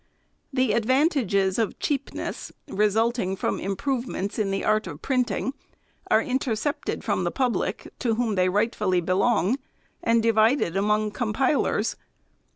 The advantages of cheapness, resulting from improvements in the art of printing, are intercepted from the public, to whom they rightfully belong, and di vided among compilers.